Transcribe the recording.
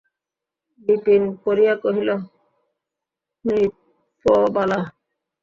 বিপিন পড়িয়া কহিল, নৃপবালা!